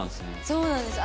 そうなんです。